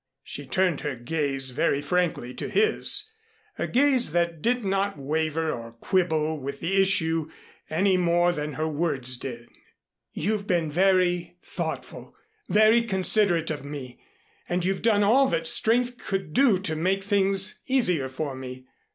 She turned her gaze very frankly to his, a gaze that did not waver or quibble with the issue any more than her words did. "You've been very thoughtful very considerate of me and you've done all that strength could do to make things easier for me.